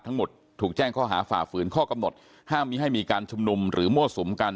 ถูกแจ้งข้อหาฝ่าฝืนข้อกำหนดห้ามมีให้มีการชุมนุมหรือมั่วสุมกัน